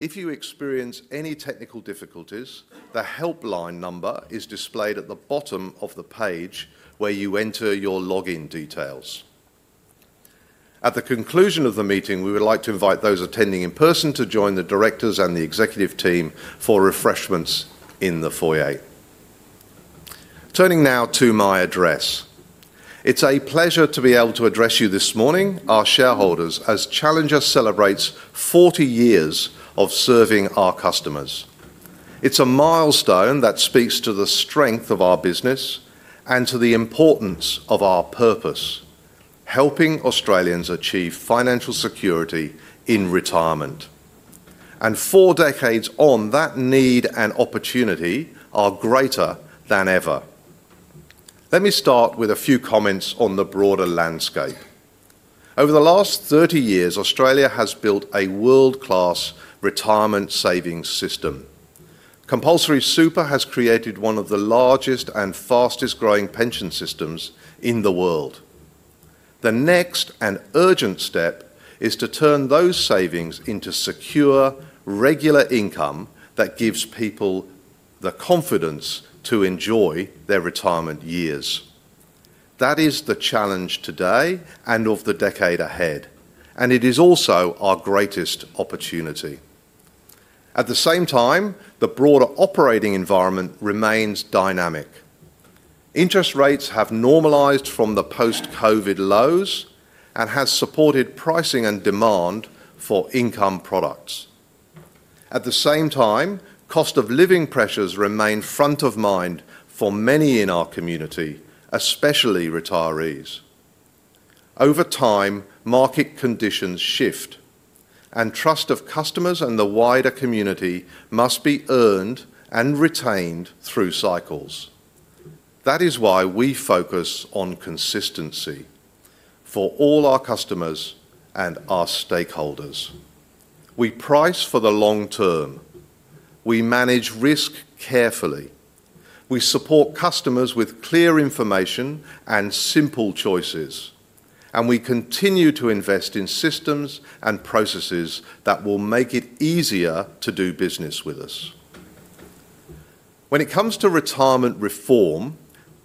If you experience any technical difficulties, the helpline number is displayed at the bottom of the page where you enter your login details. At the conclusion of the meeting, we would like to invite those attending in person to join the Directors and the Executive Team for refreshments in the foyer. Turning now to my address, it's a pleasure to be able to address you this morning, our shareholders, as Challenger celebrates 40 years of serving our customers. It's a milestone that speaks to the strength of our business and to the importance of our purpose: helping Australians achieve financial security in retirement. Four decades on, that need and opportunity are greater than ever. Let me start with a few comments on the broader landscape. Over the last 30 years, Australia has built a world-class retirement savings system. Compulsory Super has created one of the largest and fastest-growing pension systems in the world. The next and urgent step is to turn those savings into secure, regular income that gives people the confidence to enjoy their retirement years. That is the challenge today and of the decade ahead, and it is also our greatest opportunity. At the same time, the broader operating environment remains dynamic. Interest rates have normalized from the post-COVID lows and have supported pricing and demand for income products. At the same time, cost of living pressures remain front of mind for many in our community, especially retirees. Over time, market conditions shift, and trust of customers and the wider community must be earned and retained through cycles. That is why we focus on consistency for all our customers and our stakeholders. We price for the long term. We manage risk carefully. We support customers with clear information and simple choices. We continue to invest in systems and processes that will make it easier to do business with us. When it comes to retirement reform,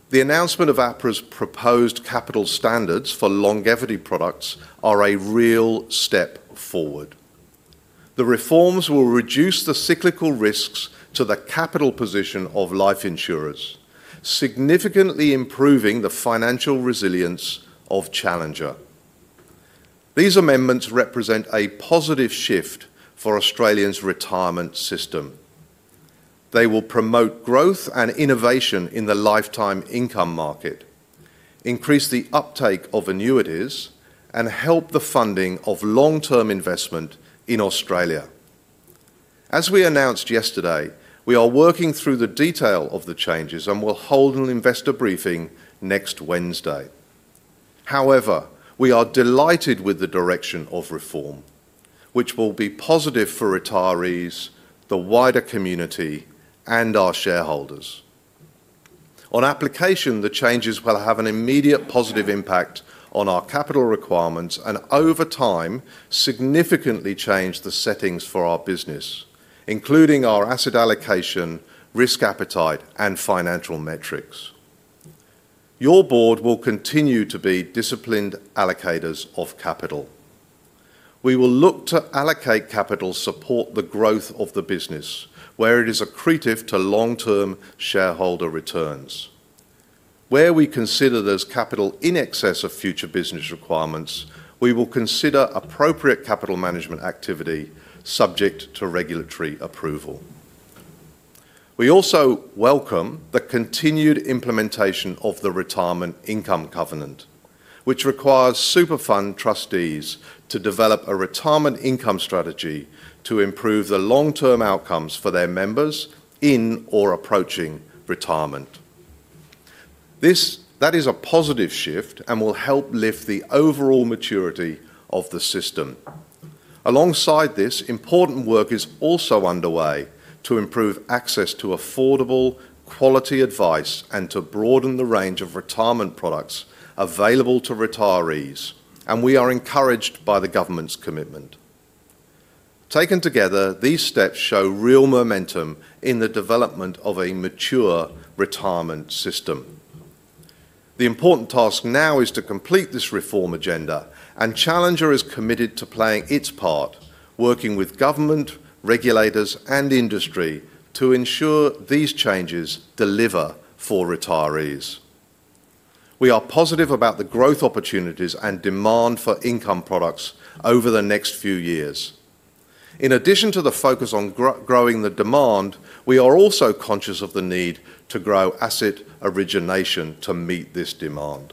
the announcement of APRA's proposed capital standards for longevity products is a real step forward. The reforms will reduce the cyclical risks to the capital position of life insurers, significantly improving the financial resilience of Challenger. These amendments represent a positive shift for Australia's retirement system. They will promote growth and innovation in the lifetime income market, increase the uptake of annuities, and help the funding of long-term investment in Australia. As we announced yesterday, we are working through the detail of the changes and will hold an investor briefing next Wednesday. However, we are delighted with the direction of reform, which will be positive for retirees, the wider community, and our shareholders. On application, the changes will have an immediate positive impact on our capital requirements and, over time, significantly change the settings for our business, including our asset allocation, risk appetite, and financial metrics. Your Board will continue to be disciplined allocators of capital. We will look to allocate capital to support the growth of the business, where it is accretive to long-term shareholder returns. Where we consider there's capital in excess of future business requirements, we will consider appropriate capital management activity subject to regulatory approval. We also welcome the continued implementation of the retirement income covenant, which requires super fund trustees to develop a retirement income strategy to improve the long-term outcomes for their members in or approaching retirement. That is a positive shift and will help lift the overall maturity of the system. Alongside this, important work is also underway to improve access to affordable, quality advice and to broaden the range of retirement products available to retirees, and we are encouraged by the government's commitment. Taken together, these steps show real momentum in the development of a mature retirement system. The important task now is to complete this reform agenda, and Challenger is committed to playing its part, working with government, regulators, and industry to ensure these changes deliver for retirees. We are positive about the growth opportunities and demand for income products over the next few years. In addition to the focus on growing the demand, we are also conscious of the need to grow asset origination to meet this demand.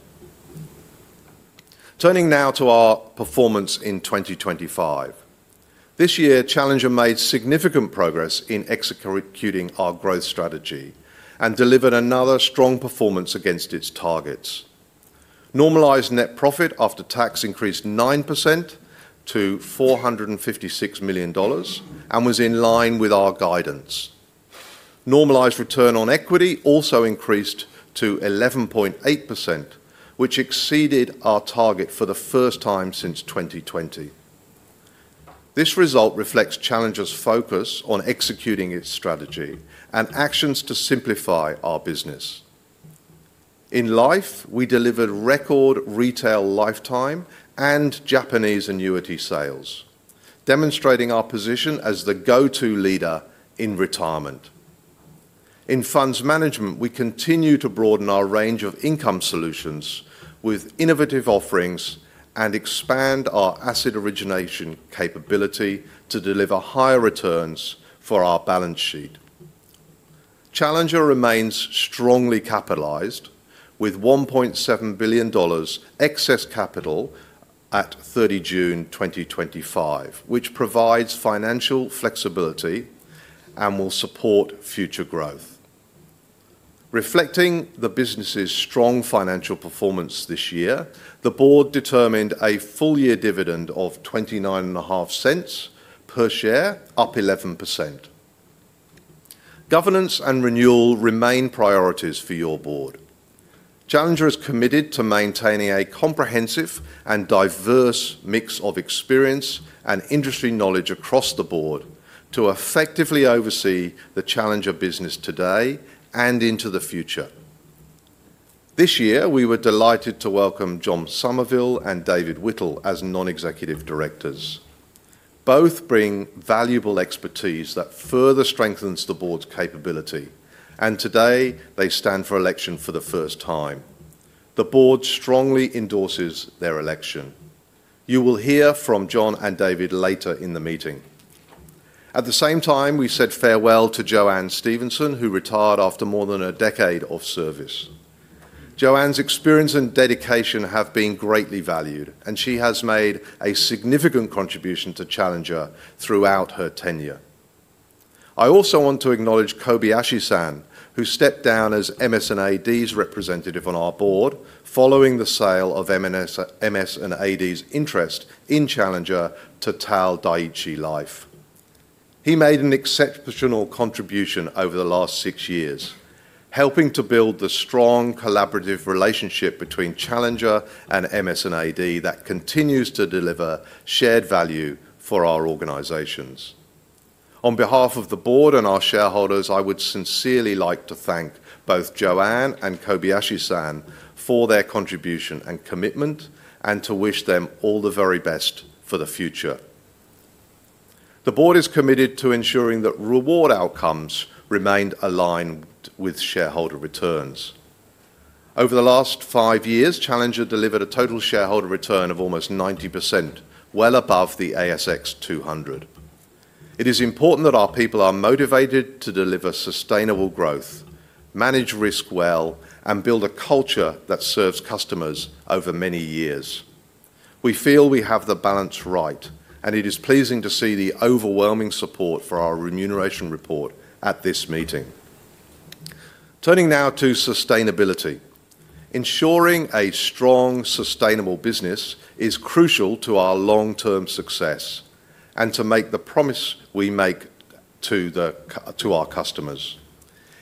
Turning now to our performance in 2025. This year, Challenger made significant progress in executing our growth strategy and delivered another strong performance against its targets. Normalized net profit after tax increased 9% to 456 million dollars and was in line with our guidance. Normalised return on equity also increased to 11.8%, which exceeded our target for the first time since 2020. This result reflects Challenger's focus on executing its strategy and actions to simplify our business. In life, we delivered record retail lifetime and Japanese annuity sales, demonstrating our position as the go-to leader in retirement. In funds management, we continue to broaden our range of income solutions with innovative offerings and expand our asset origination capability to deliver higher returns for our balance sheet. Challenger remains strongly capitalized, with 1.7 billion dollars excess capital at 30 June 2025, which provides financial flexibility and will support future growth. Reflecting the business's strong financial performance this year, the board determined a full-year dividend of 0.295/share, up 11%. Governance and renewal remain priorities for your board. Challenger is committed to maintaining a comprehensive and diverse mix of experience and industry knowledge across the board to effectively oversee the Challenger business today and into the future. This year, we were delighted to welcome John Somerville and David Whittle as Non-Executive Directors. Both bring valuable expertise that further strengthens the board's capability, and today, they stand for election for the first time. The board strongly endorses their election. You will hear from John and David later in the meeting. At the same time, we said farewell to JoAnne Stephenson, who retired after more than a decade of service. JoAnne's experience and dedication have been greatly valued, and she has made a significant contribution to Challenger throughout her tenure. I also want to acknowledge Kobayashi San, who stepped down as MS&AD's representative on our board following the sale of MS&AD's interest in Challenger to Dai-ichi Life. He made an exceptional contribution over the last six years, helping to build the strong collaborative relationship between Challenger and MS&AD that continues to deliver shared value for our organizations. On behalf of the board and our shareholders, I would sincerely like to thank both JoAnne and Kobayashi San for their contribution and commitment and to wish them all the very best for the future. The board is committed to ensuring that reward outcomes remain aligned with shareholder returns. Over the last five years, Challenger delivered a total shareholder return of almost 90%, well above the ASX 200. It is important that our people are motivated to deliver sustainable growth, manage risk well, and build a culture that serves customers over many years. We feel we have the balance right, and it is pleasing to see the overwhelming support for our remuneration report at this meeting. Turning now to sustainability. Ensuring a strong, sustainable business is crucial to our long-term success and to make the promise we make to our customers.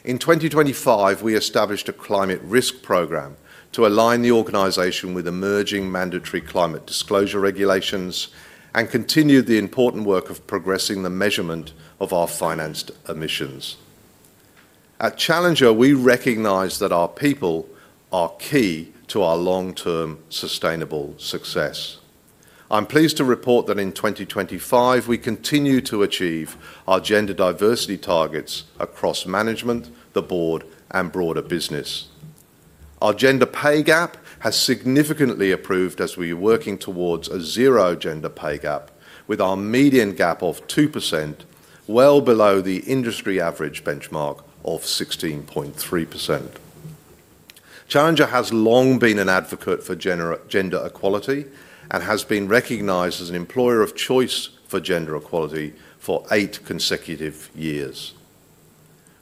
In 2025, we established a climate risk program to align the organization with emerging mandatory climate disclosure regulations and continue the important work of progressing the measurement of our financed emissions. At Challenger, we recognize that our people are key to our long-term, sustainable success. I'm pleased to report that in 2025, we continue to achieve our gender diversity targets across management, the Board, and broader business. Our gender pay gap has significantly improved as we are working towards a zero gender pay gap, with our median gap of 2% well below the industry average benchmark of 16.3%. Challenger has long been an advocate for gender equality and has been recognized as an employer of choice for gender equality for eight consecutive years.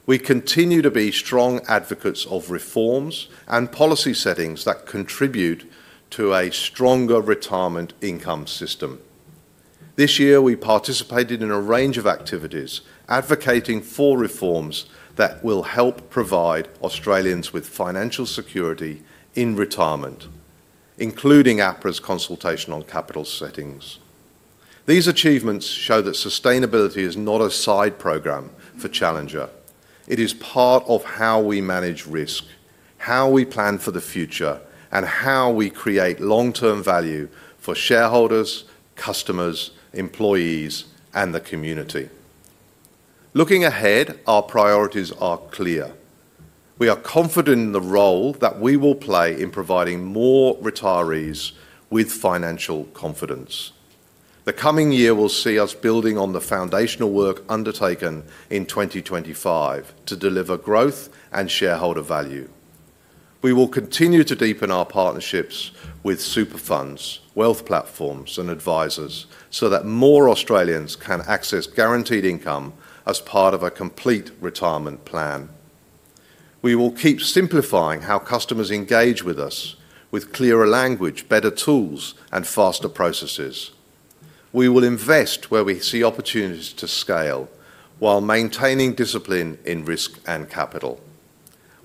We continue to be strong advocates of reforms and policy settings that contribute to a stronger retirement income system. This year, we participated in a range of activities advocating for reforms that will help provide Australians with financial security in retirement, including APRA's consultation on capital settings. These achievements show that sustainability is not a side program for Challenger. It is part of how we manage risk, how we plan for the future, and how we create long-term value for shareholders, customers, employees, and the community. Looking ahead, our priorities are clear. We are confident in the role that we will play in providing more retirees with financial confidence. The coming year will see us building on the foundational work undertaken in 2025 to deliver growth and shareholder value. We will continue to deepen our partnerships with superannuation funds, wealth platforms, and advisors so that more Australians can access guaranteed income as part of a complete retirement plan. We will keep simplifying how customers engage with us, with clearer language, better tools, and faster processes. We will invest where we see opportunities to scale while maintaining discipline in risk and capital.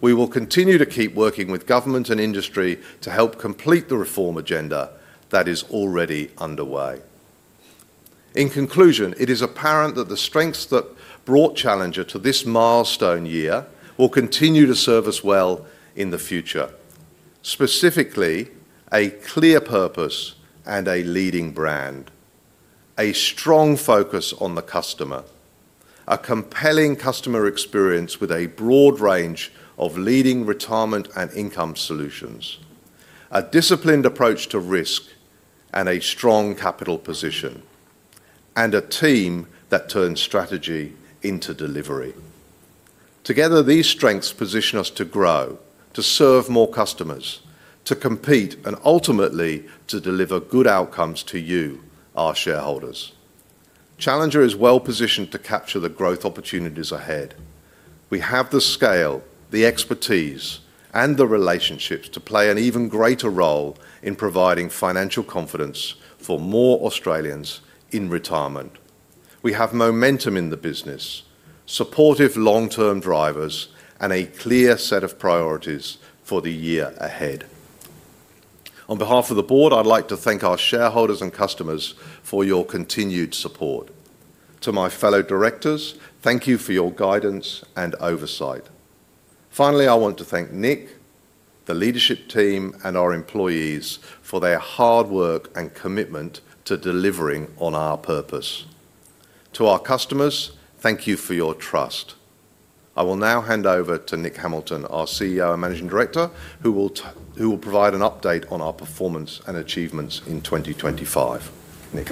We will continue to keep working with government and industry to help complete the reform agenda that is already underway. In conclusion, it is apparent that the strengths that brought Challenger to this milestone year will continue to serve us well in the future. Specifically, a clear purpose and a leading brand, a strong focus on the customer, a compelling customer experience with a broad range of leading retirement and income solutions, a disciplined approach to risk, a strong capital position, and a team that turns strategy into delivery. Together, these strengths position us to grow, to serve more customers, to compete, and ultimately to deliver good outcomes to you, our shareholders. Challenger is well-positioned to capture the growth opportunities ahead. We have the scale, the expertise, and the relationships to play an even greater role in providing financial confidence for more Australians in retirement. We have momentum in the business, supportive long-term drivers, and a clear set of priorities for the year ahead. On behalf of the Board, I'd like to thank our shareholders and customers for your continued support. To my fellow Directors, thank you for your guidance and oversight. Finally, I want to thank Nick, the leadership team, and our employees for their hard work and commitment to delivering on our purpose. To our customers, thank you for your trust. I will now hand over to Nick Hamilton, our CEO and Managing Director, who will provide an update on our performance and achievements in 2025. Nick.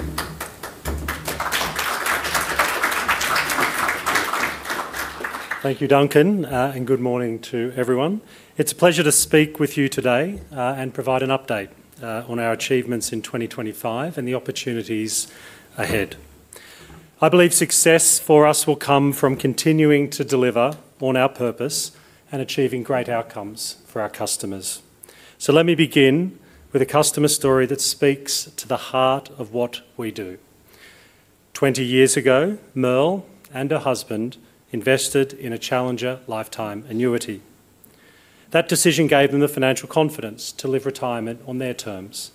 Thank you, Duncan, and good morning to everyone. It's a pleasure to speak with you today and provide an update on our achievements in 2025 and the opportunities ahead. I believe success for us will come from continuing to deliver on our purpose and achieving great outcomes for our customers. Let me begin with a customer story that speaks to the heart of what we do. Twenty years ago, Merle and her husband invested in a Challenger lifetime annuity. That decision gave them the financial confidence to live retirement on their terms,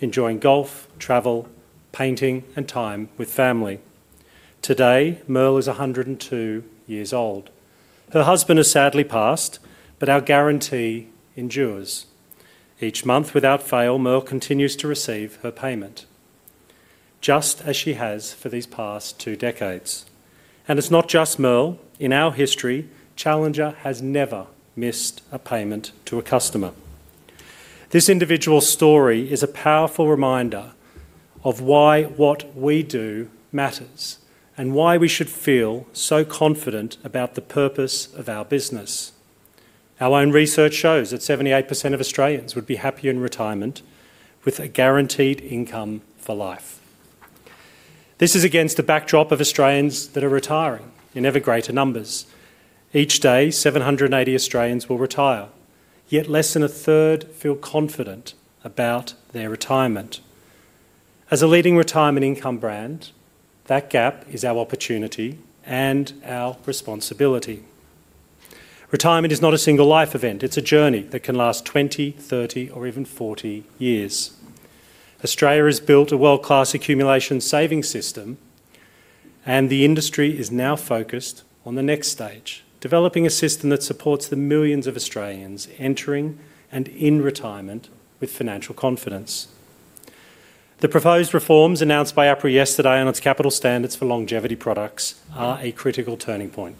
enjoying golf, travel, painting, and time with family. Today, Merle is 102 years old. Her husband has sadly passed, but our guarantee endures. Each month, without fail, Merle continues to receive her payment, just as she has for these past two decades. It is not just Merle. In our history, Challenger has never missed a payment to a customer. This individual story is a powerful reminder of why what we do matters and why we should feel so confident about the purpose of our business. Our own research shows that 78% of Australians would be happy in retirement with a guaranteed income for life. This is against a backdrop of Australians that are retiring in ever-greater numbers. Each day, 780 Australians will retire, yet less than a third feel confident about their retirement. As a leading retirement income brand, that gap is our opportunity and our responsibility. Retirement is not a single life event. It's a journey that can last 20, 30, or even 40 years. Australia has built a world-class accumulation savings system, and the industry is now focused on the next stage, developing a system that supports the millions of Australians entering and in retirement with financial confidence. The proposed reforms announced by APRA yesterday on its capital standards for longevity products are a critical turning point,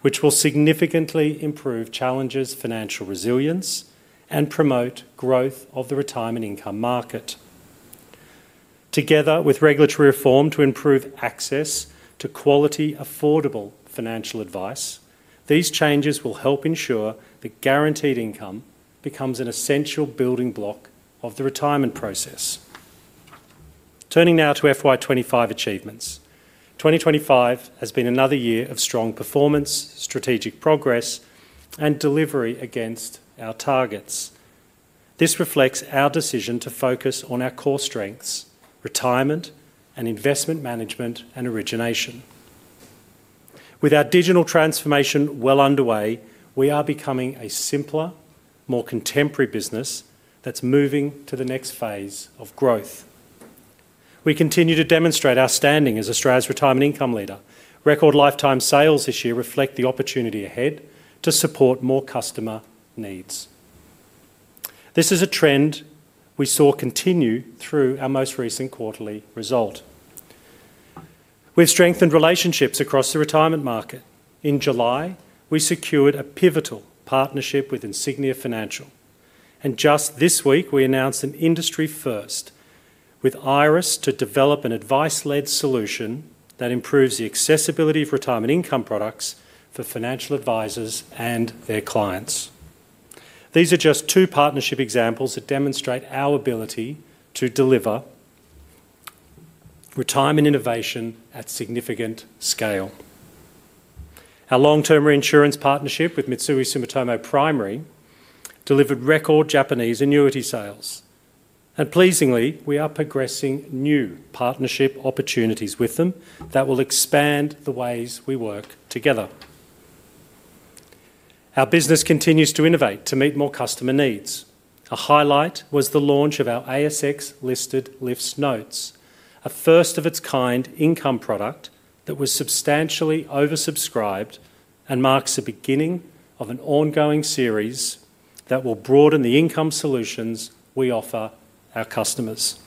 which will significantly improve Challenger's financial resilience and promote growth of the retirement income market. Together with regulatory reform to improve access to quality, affordable financial advice, these changes will help ensure that guaranteed income becomes an essential building block of the retirement process. Turning now to FY 2025 achievements. 2025 has been another year of strong performance, strategic progress, and delivery against our targets. This reflects our decision to focus on our core strengths: retirement and investment management and origination. With our digital transformation well underway, we are becoming a simpler, more contemporary business that's moving to the next phase of growth. We continue to demonstrate our standing as Australia's retirement income leader. Record lifetime sales this year reflect the opportunity ahead to support more customer needs. This is a trend we saw continue through our most recent quarterly result. We've strengthened relationships across the retirement market. In July, we secured a pivotal partnership with Insignia Financial, and just this week, we announced an industry first with Iris to develop an advice-led solution that improves the accessibility of retirement income products for financial advisors and their clients. These are just two partnership examples that demonstrate our ability to deliver retirement innovation at significant scale. Our long-term reinsurance partnership with Mitsui Sumitomo Primary delivered record Japanese annuity sales, and pleasingly, we are progressing new partnership opportunities with them that will expand the ways we work together. Our business continues to innovate to meet more customer needs. A highlight was the launch of our ASX-listed LIFS Notes, a first-of-its-kind income product that was substantially oversubscribed and marks the beginning of an ongoing series that will broaden the income solutions we offer our customers.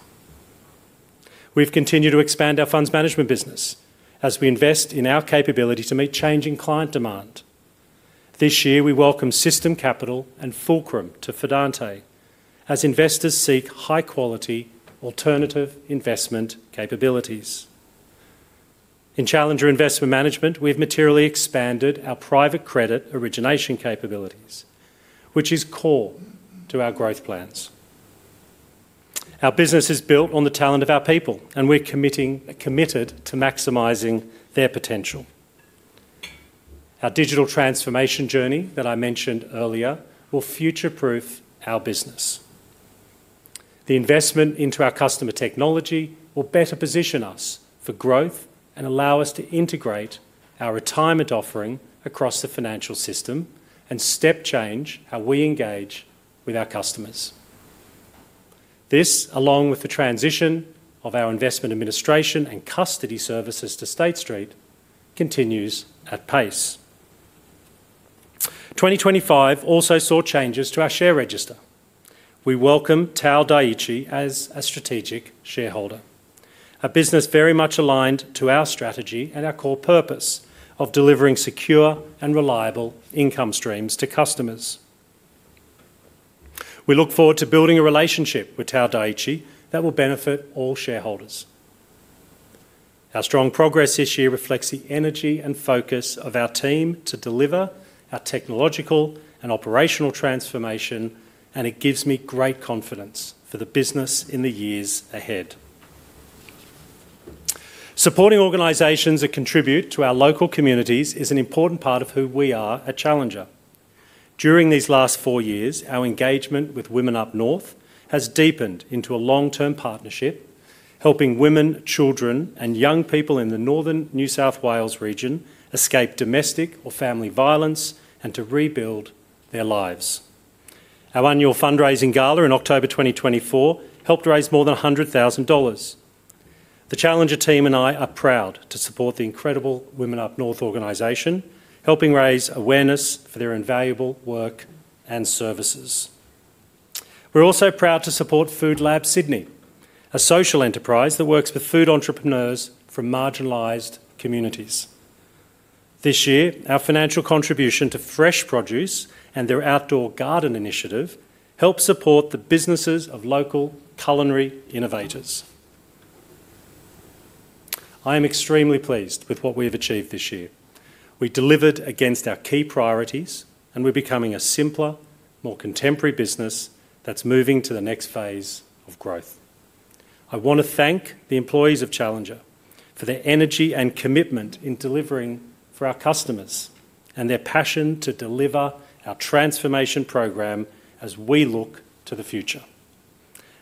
We've continued to expand our funds management business as we invest in our capability to meet changing client demand. This year, we welcome System Capital and Fulcrum to Fidante as investors seek high-quality alternative investment capabilities. In Challenger Investment Management, we've materially expanded our private credit origination capabilities, which is core to our growth plans. Our business is built on the talent of our people, and we're committed to maximizing their potential. Our digital transformation journey that I mentioned earlier will future-proof our business. The investment into our customer technology will better position us for growth and allow us to integrate our retirement offering across the financial system and step change how we engage with our customers. This, along with the transition of our investment administration and custody services to State Street, continues at pace. 2025 also saw changes to our share register. We welcome TAL Dai-ichi as a strategic shareholder, a business very much aligned to our strategy and our core purpose of delivering secure and reliable income streams to customers. We look forward to building a relationship with TAL Dai-ichi that will benefit all shareholders. Our strong progress this year reflects the energy and focus of our team to deliver our technological and operational transformation, and it gives me great confidence for the business in the years ahead. Supporting organizations that contribute to our local communities is an important part of who we are at Challenger. During these last four years, our engagement with Women Up North has deepened into a long-term partnership, helping women, children, and young people in the northern New South Wales region escape domestic or family violence and to rebuild their lives. Our annual fundraising gala in October 2024 helped raise more than 100,000 dollars. The Challenger team and I are proud to support the incredible Women Up North organization, helping raise awareness for their invaluable work and services. We're also proud to support Food Lab Sydney, a social enterprise that works with food entrepreneurs from marginalized communities. This year, our financial contribution to Fresh Produce and their outdoor garden initiative helps support the businesses of local culinary innovators. I am extremely pleased with what we have achieved this year. We delivered against our key priorities, and we're becoming a simpler, more contemporary business that's moving to the next phase of growth. I want to thank the employees of Challenger for their energy and commitment in delivering for our customers and their passion to deliver our transformation program as we look to the future.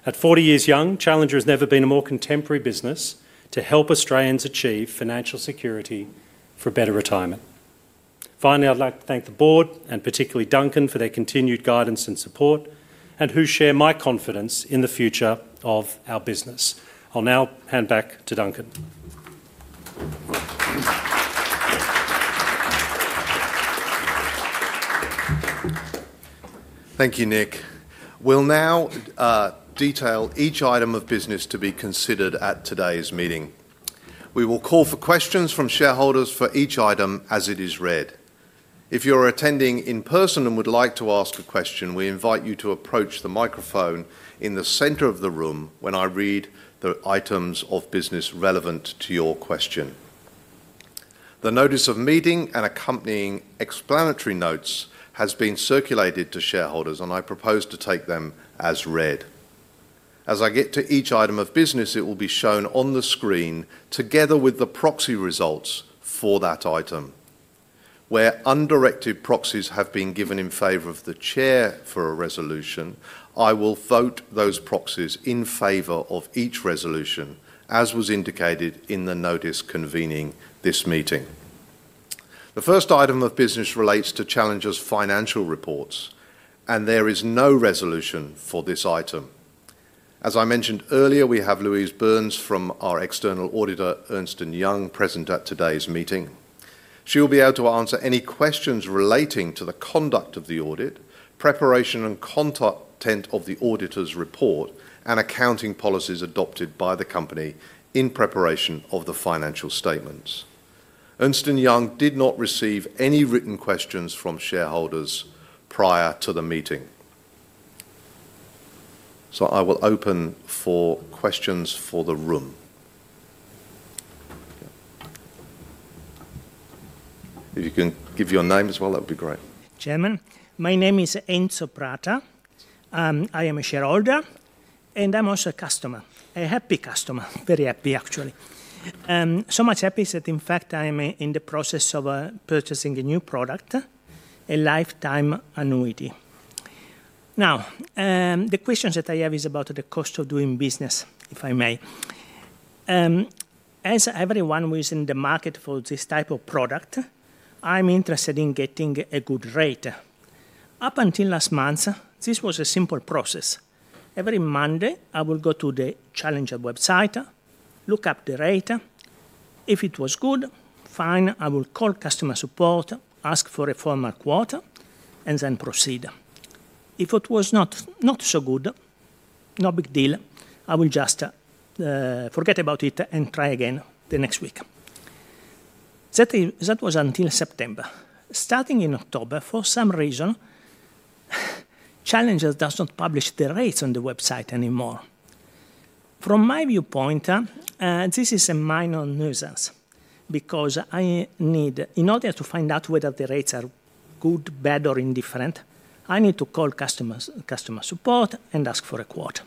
At 40 years young, Challenger has never been a more contemporary business to help Australians achieve financial security for better retirement. Finally, I'd like to thank the Board and particularly Duncan for their continued guidance and support, and who share my confidence in the future of our business. I'll now hand back to Duncan. Thank you, Nick. We'll now detail each item of business to be considered at today's meeting. We will call for questions from shareholders for each item as it is read. If you are attending in person and would like to ask a question, we invite you to approach the microphone in the center of the room when I read the items of business relevant to your question. The notice of meeting and accompanying explanatory notes have been circulated to shareholders, and I propose to take them as read. As I get to each item of business, it will be shown on the screen together with the proxy results for that item. Where undirected proxies have been given in favor of the chair for a resolution, I will vote those proxies in favor of each resolution, as was indicated in the notice convening this meeting. The first item of business relates to Challenger's financial reports, and there is no resolution for this item. As I mentioned earlier, we have Louise Burns from our external auditor, Ernst & Young, present at today's meeting. She will be able to answer any questions relating to the conduct of the audit, preparation and content of the auditor's report, and accounting policies adopted by the company in preparation of the financial statements. Ernst & Young did not receive any written questions from shareholders prior to the meeting. I will open for questions for the room. If you can give your name as well, that would be great. Chairman, my name is Enzo Prater. I am a shareholder, and I'm also a customer, a happy customer, very happy actually. So much happy that, in fact, I am in the process of purchasing a new product, a lifetime annuity. Now, the question that I have is about the cost of doing business, if I may. As everyone who is in the market for this type of product, I'm interested in getting a good rate. Up until last month, this was a simple process. Every Monday, I will go to the Challenger website, look up the rate. If it was good, fine, I will call customer support, ask for a formal quote, and then proceed. If it was not so good, no big deal, I will just forget about it and try again the next week. That was until September. Starting in October, for some reason, Challenger does not publish the rates on the website anymore. From my viewpoint, this is a minor nuisance because in order to find out whether the rates are good, bad, or indifferent, I need to call customer support and ask for a quote.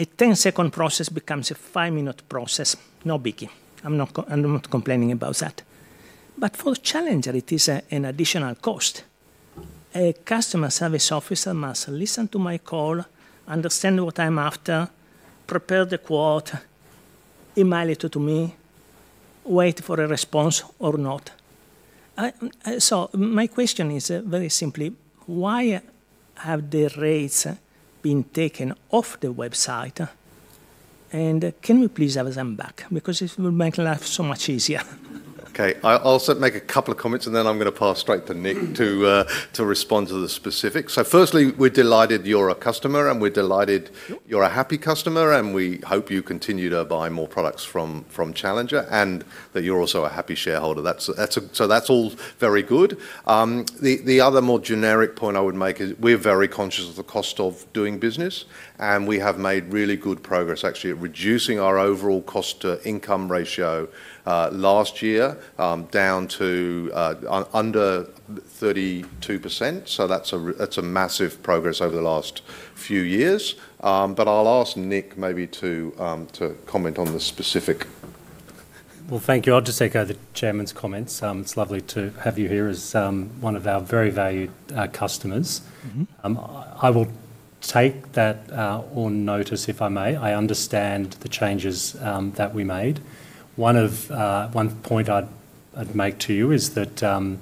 A 10-second process becomes a five-minute process, no biggie. I'm not complaining about that. For Challenger, it is an additional cost. A customer service officer must listen to my call, understand what I'm after, prepare the quote, email it to me, wait for a response or not. My question is very simply, why have the rates been taken off the website? Can we please have them back? It will make life so much easier. Okay, I'll also make a couple of comments, and then I'm going to pass straight to Nick to respond to the specifics. Firstly, we're delighted you're a customer, and we're delighted you're a happy customer, and we hope you continue to buy more products from Challenger, and that you're also a happy shareholder. That's all very good. The other more generic point I would make is we're very conscious of the cost of doing business, and we have made really good progress actually at reducing our overall cost-to-income ratio last year down to under 32%. That's a massive progress over the last few years. I'll ask Nick maybe to comment on the specific. Thank you. I'll just echo the Chairman's comments. It's lovely to have you here as one of our very valued customers. I will take that on notice, if I may. I understand the changes that we made. One point I'd make to you is that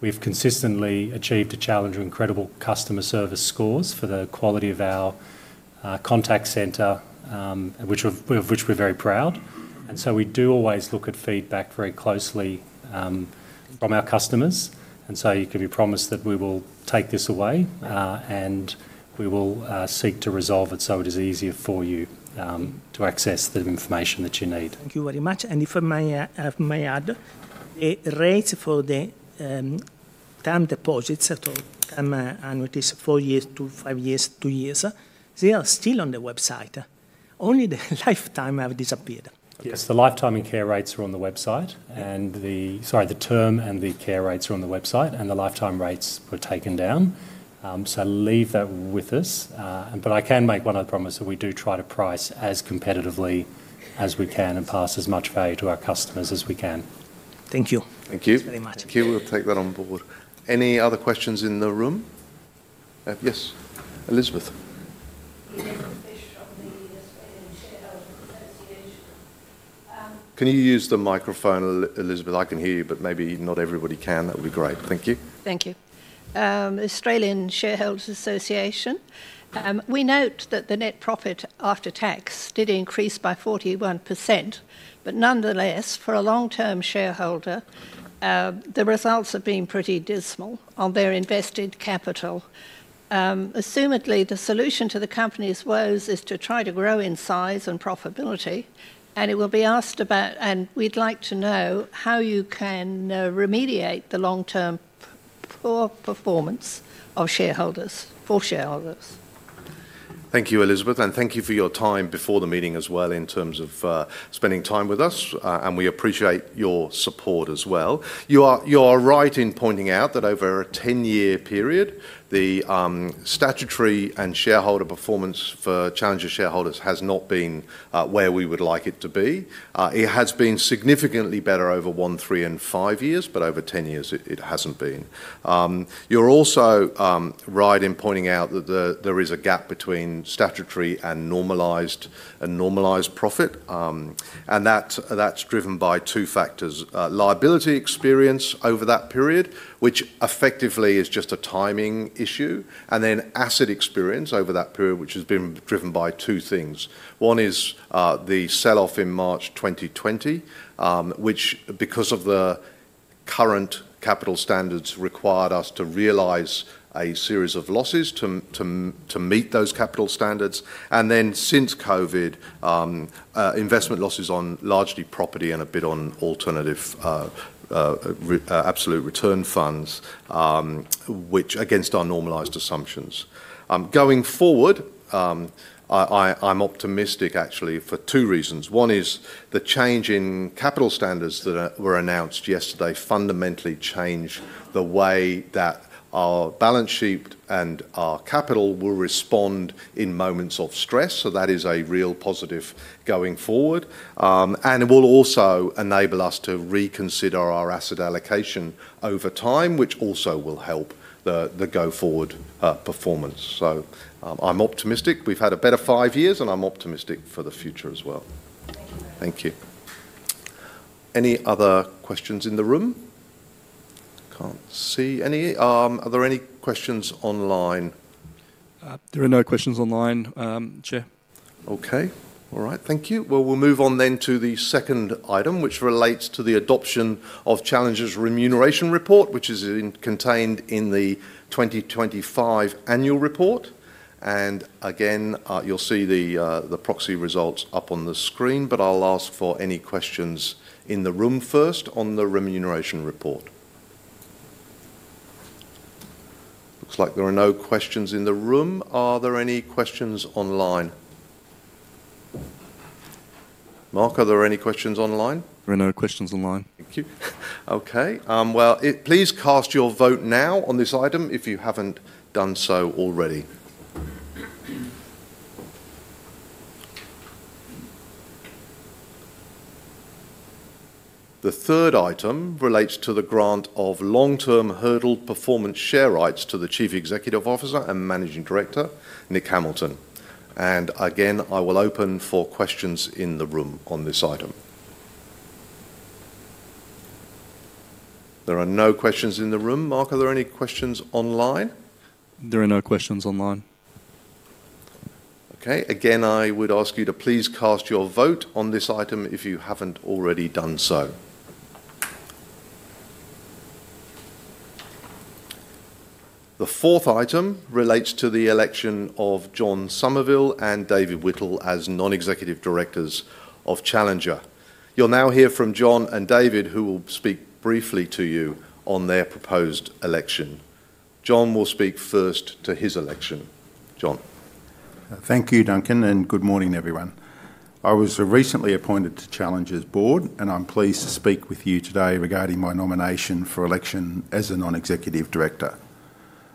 we've consistently achieved Challenger incredible customer service scores for the quality of our contact center, which we're very proud of. We do always look at feedback very closely from our customers. You can be promised that we will take this away, and we will seek to resolve it so it is easier for you to access the information that you need. Thank you very much. If I may add, the rates for the term deposits or term annuities, four years, two years, five years, two years, are still on the website. Only the lifetime have disappeared. Yes, the lifetime and care rates are on the website, the term and the care rates are on the website, and the lifetime rates were taken down. Leave that with us. I can make one other promise that we do try to price as competitively as we can and pass as much value to our customers as we can. Thank you. Thank you. Thank you. Thank you. We'll take that on board. Any other questions in the room? Yes, Elizabeth. Can you use the microphone, Elizabeth? I can hear you, but maybe not everybody can. That would be great. Thank you. Thank you. Australian Shareholders Association. We note that the net profit after tax did increase by 41%, but nonetheless, for a long-term shareholder, the results have been pretty dismal on their invested capital. Assumedly, the solution to the company's woes is to try to grow in size and profitability. It will be asked about, and we'd like to know how you can remediate the long-term poor performance of shareholders for shareholders. Thank you, Elizabeth, and thank you for your time before the meeting as well in terms of spending time with us, and we appreciate your support as well. You are right in pointing out that over a 10-year period, the statutory and shareholder performance for Challenger shareholders has not been where we would like it to be. It has been significantly better over one, three, and five years, but over 10 years, it hasn't been. You're also right in pointing out that there is a gap between statutory and normalized profit, and that's driven by two factors. Liability experience over that period, which effectively is just a timing issue, and then asset experience over that period, which has been driven by two things. One is the sell-off in March 2020, which, because of the current capital standards, required us to realize a series of losses to meet those capital standards. Since COVID, investment losses on largely property and a bit on alternative absolute return funds, which against our normalized assumptions. Going forward, I'm optimistic actually for two reasons. One is the change in capital standards that were announced yesterday fundamentally changed the way that our balance sheet and our capital will respond in moments of stress. That is a real positive going forward. It will also enable us to reconsider our asset allocation over time, which also will help the go-forward performance. I'm optimistic. We've had a better five years, and I'm optimistic for the future as well. Thank you. Any other questions in the room? Can't see any. Are there any questions online? There are no questions online, Chair. Okay. All right. Thank you. We'll move on to the second item, which relates to the adoption of Challenger's remuneration report, which is contained in the 2025 annual report. Again, you'll see the proxy results up on the screen, but I'll ask for any questions in the room first on the remuneration report. Looks like there are no questions in the room. Are there any questions online? Mark, are there any questions online? There are no questions online. Thank you. Please cast your vote now on this item if you haven't done so already. The third item relates to the grant of long-term hurdled performance share rights to the Chief Executive Officer and Managing Director, Nick Hamilton. I will open for questions in the room on this item. There are no questions in the room. Mark, are there any questions online? There are no questions online. Okay. Again, I would ask you to please cast your vote on this item if you haven't already done so. The fourth item relates to the election of John Somerville and David Whittle as Non-Executive Directors of Challenger. You'll now hear from John and David, who will speak briefly to you on their proposed election. John will speak first to his election. John. Thank you, Duncan, and good morning, everyone. I was recently appointed to Challenger's board, and I'm pleased to speak with you today regarding my nomination for election as a Non-Executive Director.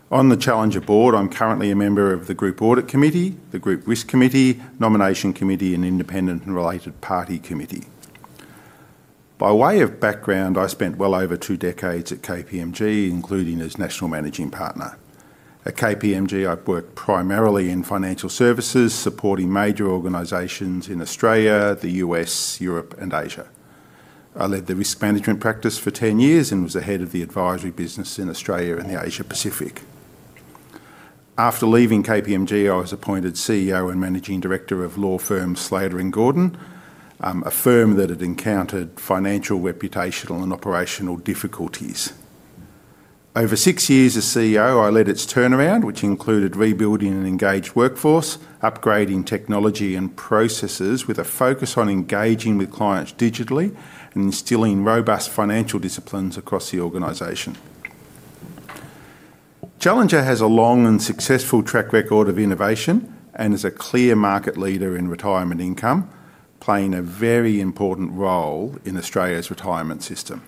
On the Challenger board, I'm currently a member of the Group Audit Committee, the Group Risk Committee, Nomination Committee, and Independent and Related Party Committee. By way of background, I spent well over two decades at KPMG, including as National Managing Partner. At KPMG, I've worked primarily in financial services, supporting major organizations in Australia, the U.S., Europe, and Asia. I led the risk management practice for 10 years and was the head of the advisory business in Australia and the Asia Pacific. After leaving KPMG, I was appointed CEO and Managing Director of law firm Slater & Gordon, a firm that had encountered financial, reputational, and operational difficulties. Over six years as CEO, I led its turnaround, which included rebuilding an engaged workforce, upgrading technology and processes with a focus on engaging with clients digitally, and instilling robust financial disciplines across the organization. Challenger has a long and successful track record of innovation and is a clear market leader in retirement income, playing a very important role in Australia's retirement system.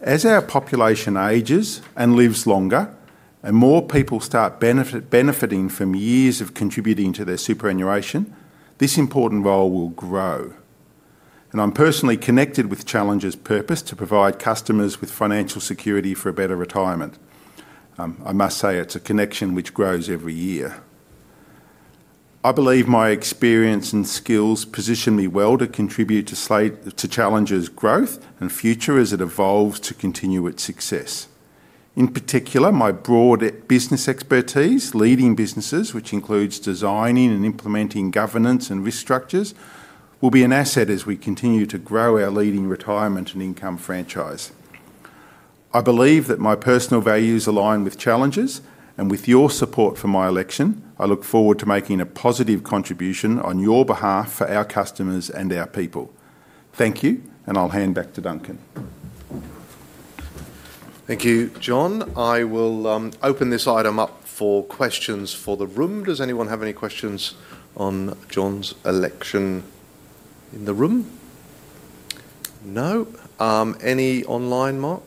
As our population ages and lives longer and more people start benefiting from years of contributing to their superannuation, this important role will grow. I'm personally connected with Challenger's purpose to provide customers with financial security for a better retirement. I must say it's a connection which grows every year. I believe my experience and skills position me well to contribute to Challenger's growth and future as it evolves to continue its success. In particular, my broad business expertise, leading businesses, which includes designing and implementing governance and risk structures, will be an asset as we continue to grow our leading retirement and income franchise. I believe that my personal values align with Challenger's, and with your support for my election, I look forward to making a positive contribution on your behalf for our customers and our people. Thank you, and I'll hand back to Duncan. Thank you, John. I will open this item up for questions for the room. Does anyone have any questions on John's election in the room? No? Any online, Mark?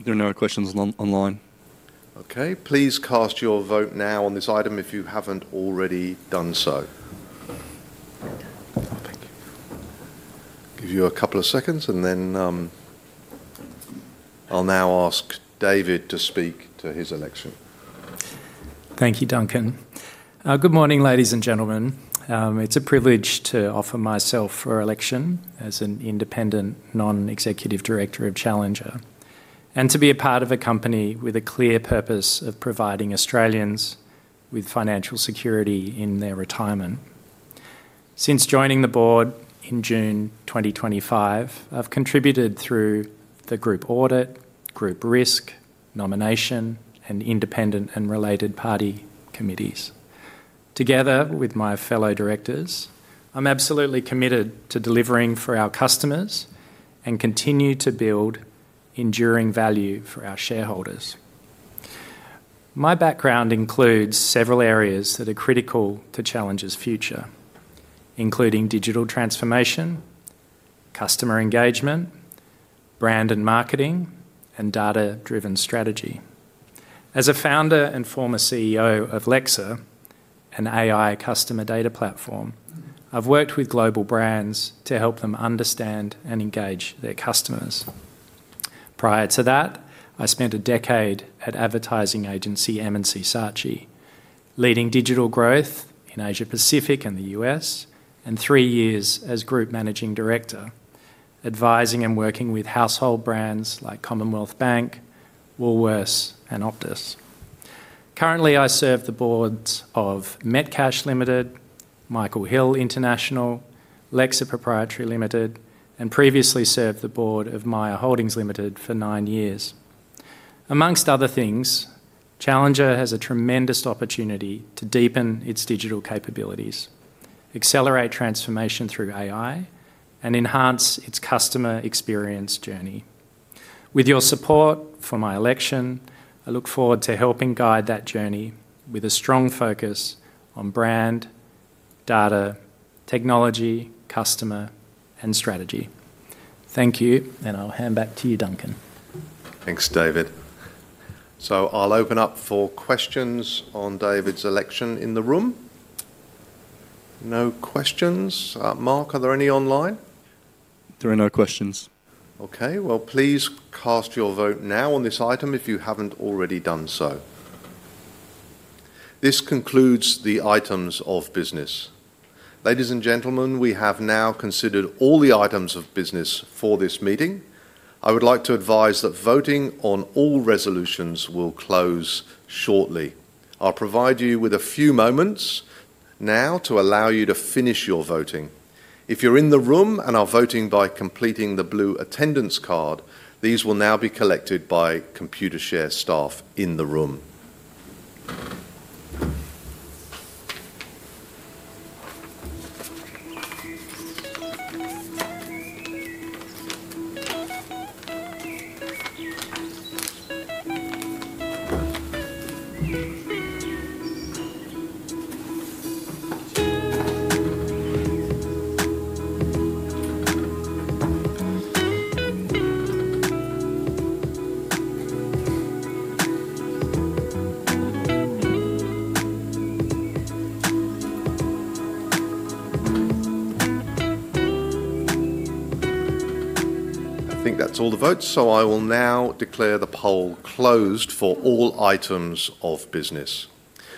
There are no questions online. Okay. Please cast your vote now on this item if you haven't already done so. I'll give you a couple of seconds, and then I'll now ask David to speak to his election. Thank you, Duncan. Good morning, ladies and gentlemen. It's a privilege to offer myself for election as an independent Non-Executive Director of Challenger and to be a part of a company with a clear purpose of providing Australians with financial security in their retirement. Since joining the board in June 2025, I've contributed through the Group Audit, Group Risk, Nomination, and Independent and Related Party Committees. Together with my fellow directors, I'm absolutely committed to delivering for our customers and continue to build enduring value for our shareholders. My background includes several areas that are critical to Challenger's future, including digital transformation, customer engagement, brand and marketing, and data-driven strategy. As a founder and former CEO of Lexa, an AI customer data platform, I've worked with global brands to help them understand and engage their customers. Prior to that, I spent a decade at advertising agency M&C Saatchi, leading digital growth in Asia Pacific and the U.S., and three years as Group Managing Director, advising and working with household brands like Commonwealth Bank, Woolworths, and Optus. Currently, I serve the boards of Metcash Ltd, Michael Hill International, Lexa Proprietary Ltd, and previously served the board of Maya Holdings Ltd for nine years. Amongst other things, Challenger has a tremendous opportunity to deepen its digital capabilities, accelerate transformation through AI, and enhance its customer experience journey. With your support for my election, I look forward to helping guide that journey with a strong focus on brand, data, technology, customer, and strategy. Thank you, and I'll hand back to you, Duncan. Thanks, David. I'll open up for questions on David's election in the room. No questions. Mark, are there any online? There are no questions. Okay, please cast your vote now on this item if you haven't already done so. This concludes the items of business. Ladies and gentlemen, we have now considered all the items of business for this meeting. I would like to advise that voting on all resolutions will close shortly. I'll provide you with a few moments now to allow you to finish your voting. If you're in the room and are voting by completing the blue attendance card, these will now be collected by Computershare staff in the room. I think that's all the votes, so I will now declare the poll closed for all items of business.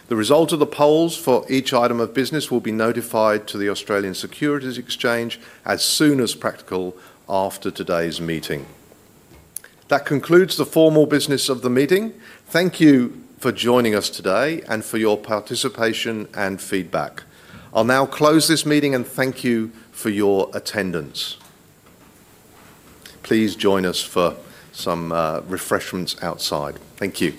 The result of the polls for each item of business will be notified to the Australian Securities Exchange as soon as practical after today's meeting. That concludes the formal business of the meeting. Thank you for joining us today and for your participation and feedback. I'll now close this meeting and thank you for your attendance. Please join us for some refreshments outside. Thank you.